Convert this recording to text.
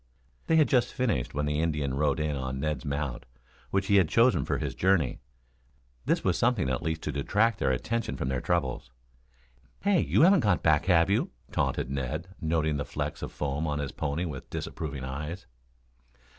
They had just finished when the Indian rode in on Ned's mount, which he had chosen for his journey. This was something at least to detract their attention from their troubles. "Hey, you haven't got back, have you?" taunted Ned, noting the flecks of foam on his pony with disapproving eyes.